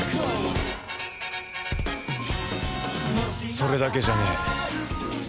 それだけじゃねえ。